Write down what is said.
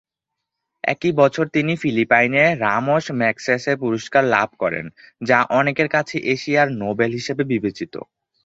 একই বছর তিনি ফিলিপাইনে রামোন ম্যাগসেসে পুরস্কার লাভ করেন, যা অনেকের কাছে এশিয়ার নোবেল হিসেবে বিবেচিত।